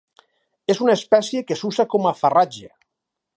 És una espècie que s'usa com a farratge.